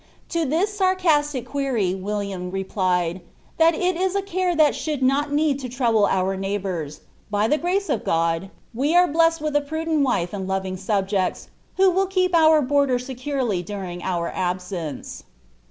To this sarcastic query, William replied, ^ That is a care that shall not need to trouble our neighbours ; by the gnce of God we are blessed with a prudent wife and loving subjects, who will keep our border securely during our absence."'